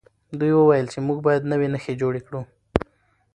دوی وویل چې موږ باید نوي نښې جوړې کړو.